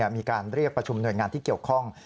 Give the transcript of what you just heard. มีการเรียกประชุมหน่วยงานที่เกี่ยวข้อง